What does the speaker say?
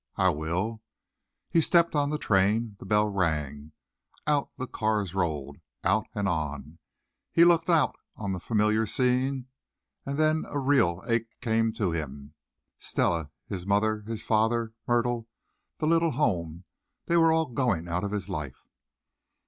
"I will." He stepped on the train. The bell rang. Out the cars rolled out and on. He looked out on the familiar scenes and then a real ache came to him Stella, his mother, his father, Myrtle, the little home. They were all going out of his life.